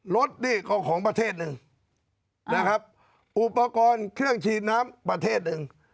รถนี่ก็ของประเทศหนึ่งนะครับอุปกรณ์เครื่องฉีดน้ำประเทศหนึ่ง